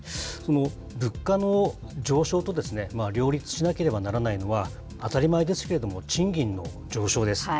物価の上昇と両立しなければならないのは、当たり前ですけれども、賃金の上昇です。